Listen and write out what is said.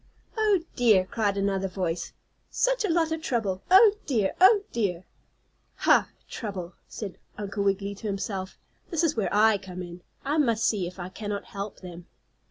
"Oh, dear!" cried another voice. "Such a lot of trouble. Oh, dear! Oh, dear!" "Ha! Trouble!" said Uncle Wiggily to himself. "This is where I come in. I must see if I cannot help them."